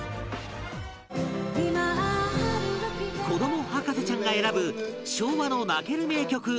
子ども博士ちゃんが選ぶ昭和の泣ける名曲